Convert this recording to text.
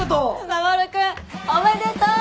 守君おめでとう！